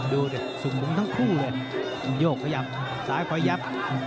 ดูดิสุ่มทั้งคู่เลยโยกขยับซ้ายคอยยับ